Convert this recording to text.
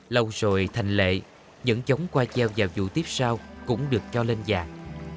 lâu rồi thành lệ những chống qua treo vào vụ tiếp sau cũng được cho lên dạng